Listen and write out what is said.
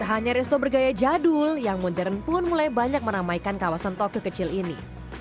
tak hanya resto bergaya jadul yang modern pun mulai banyak meramaikan kawasan toko kecil ini